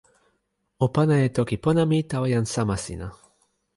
o pana e toki pona mi tawa jan sama sina.